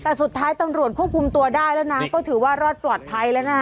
แต่สุดท้ายตำรวจควบคุมตัวได้แล้วนะก็ถือว่ารอดปลอดภัยแล้วนะ